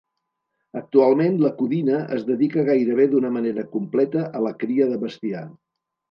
Actualment la Codina es dedica gairebé d'una manera completa a la cria de bestiar.